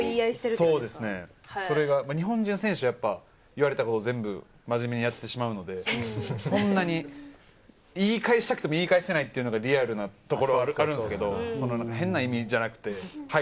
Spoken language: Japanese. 日本人選手は言われたこと全部真面目にやってしまうので、そんなに言い返したくても言い返せないというのがリアルなところはあるんですけど、変な意味じゃなくて、はい！